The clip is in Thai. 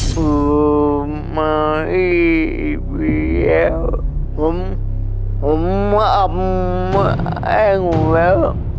หือมีผมผมผมแล้ว